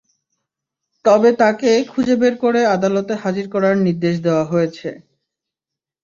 তবে তাঁকে খুঁজে বের করে আদালতে হাজির করার নির্দেশ দেওয়া হয়েছে।